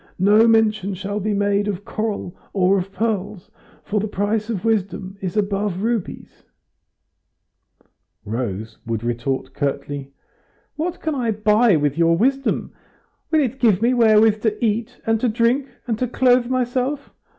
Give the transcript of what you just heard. No mention shall be made of coral or of pearls; for the price of wisdom is above rubies." [Footnote: See Job xxviii. 17, 18.] Rose would retort curtly: "What can I buy with your wisdom? Will it give me wherewith to eat and to drink, and to clothe myself?